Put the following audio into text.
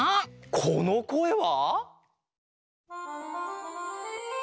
このこえは？